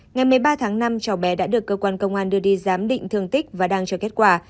ngày một mươi ba tháng năm cháu bé đã được cơ quan công an đưa đi giám định thương tích và đang chờ kết quả